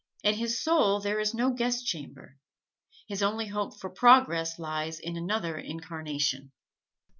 In his soul there is no guest chamber. His only hope for progress lies in another incarnation.